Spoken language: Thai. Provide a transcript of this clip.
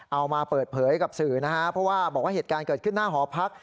เอามาเปิดเผยกับสื่อนะฮะเพราะว่าบอกว่าเหตุการณ์เกิดขึ้นหน้าหอพัก